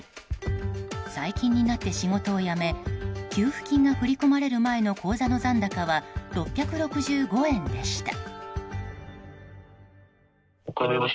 最近になって仕事を辞め給付金が振り込まれる前の口座の残高は、６６５円でした。